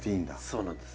そうなんです。